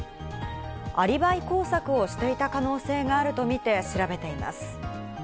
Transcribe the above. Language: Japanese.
アリバイ工作をしていた可能性があるとみて、調べています。